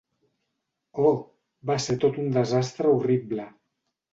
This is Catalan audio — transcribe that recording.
Oh, va ser tot un desastre horrible.